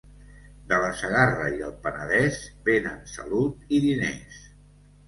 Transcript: De la Segarra i el Penedès venen salut i diners.